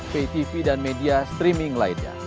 pay tv dan media streaming lainnya